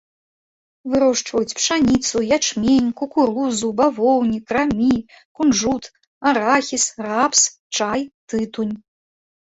Вырошчваюць пшаніцу, ячмень, кукурузу, бавоўнік, рамі, кунжут, арахіс, рапс, чай, тытунь.